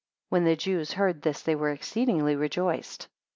20 When the Jews heard this they were exceedingly rejoiced.